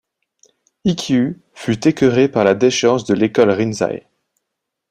Ikkyū fut écœuré par la déchéance de l'école rinzai.